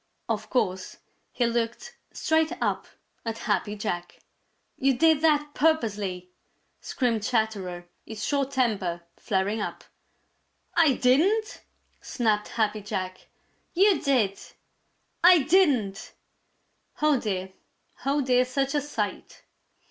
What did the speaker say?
Of course, he looked straight up at Happy Jack. "You did that purposely!" screamed Chatterer, his short temper flaring up. "I didn't!" snapped Happy Jack. "You did!" "I didn't!" Oh, dear, oh, dear, such a sight!